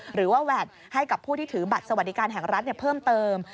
หรือว่าแวดให้กับผู้ที่ถือบัตรสวัสดิการแห่งรัฐเพิ่มเติม